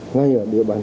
ngay ở địa bàn